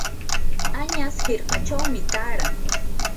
añas hirkachawmi taaran.